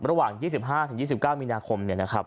ระหว่าง๒๕๒๙มีนาคม